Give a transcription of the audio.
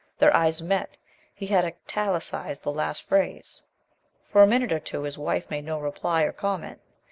Their eyes met. He had italicized the last phrase. For a minute or two his wife made no reply or comment.